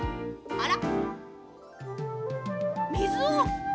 あら！